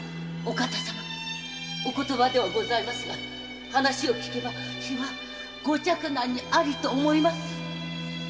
お言葉ではございますが話を聞けば非はご嫡男にありと思いまする